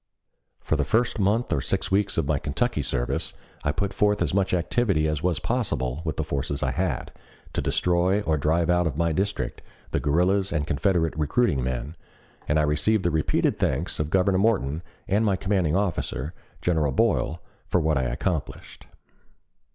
For the first month or six weeks of my Kentucky service I put forth as much activity as was possible with the forces I had, to destroy or drive out of my district the guerrillas and Confederate recruiting men, and I received the repeated thanks of Governor Morton and my commanding officer, General Boyle, for what I accomplished.